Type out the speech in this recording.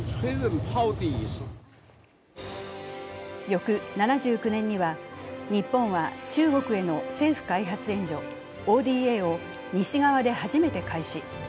翌７９年には、日本は中国への政府開発援助＝ＯＤＡを西側で初めて開始。